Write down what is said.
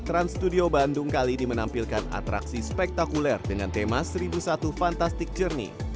trans studio bandung kali ini menampilkan atraksi spektakuler dengan tema seribu satu fantastik jernih